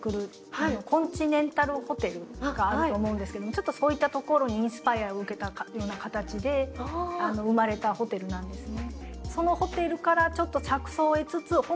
ちょっとそういったところにインスパイアを受けた形で生まれたホテルなんですね。